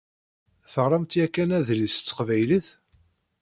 Teɣṛamt yakan adlis s teqbaylit?